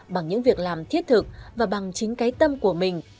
bằng những việc làm thiết thực và bằng chính cái tâm của mình